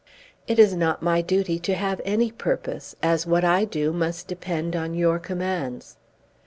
"It is not my duty to have any purpose, as what I do must depend on your commands."